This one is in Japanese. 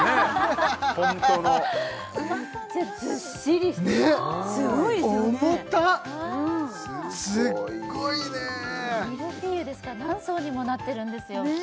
たっすっごいねミルフィーユですから何層にもなってるんですよ